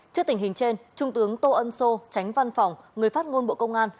trước tình hình trên trung tướng tô ân sô tránh văn phòng người phát ngôn bộ công an